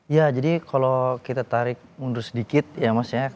ya jadi kalau kita tarik mundur sedikit ya mas ya